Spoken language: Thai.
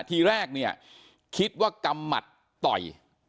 ทีแรกเนี่ยคิดว่ากำหมัดต่อย